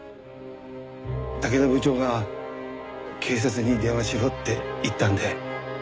竹田部長が「警察に電話しろ」って言ったんでそのとおりに。